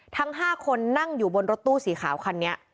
ทั้ง๕คนนั่งอยู่บนรถตู้สีขาวคันนี้